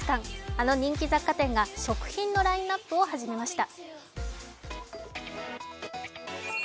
あの人気雑貨店が食品のラインナップを始めました。